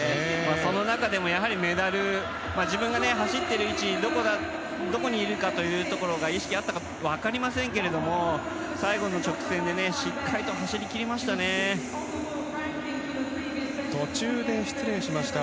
その中でもやはりメダル自分が走ってる位置がどこにいるかというところが意識あったか分かりませんけれども最後の直線でしっかりと走り切りましたね。